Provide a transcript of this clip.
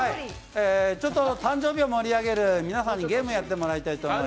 誕生日を盛り上げるゲームをやってもらいたいと思います。